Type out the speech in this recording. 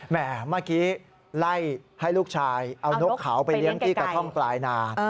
เมื่อกี้ไล่ให้ลูกชายเอานกเขาไปเลี้ยงที่กระท่อมปลายนา